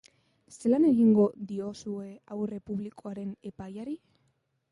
Zelan egingo diozue aurre publikoaren epaiari?